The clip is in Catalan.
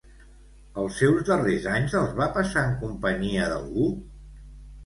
Els seus darrers anys els va passar en companyia d'algú?